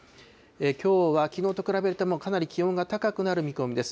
きょうはきのうと比べるとかなり気温が高くなる見込みです。